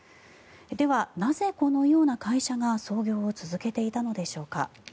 ではなぜこのような会社が操業を続けていたのでしょうか。